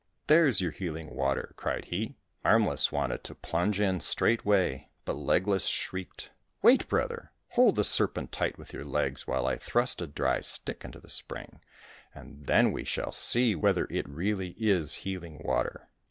" There's your healing water !" cried he. Armless wanted to plunge in straightway, but Leg less shrieked, " Wait, brother ! Hold the serpent tight with your legs while I thrust a dry stick into the spring, and then we shall see whether it really is healing water."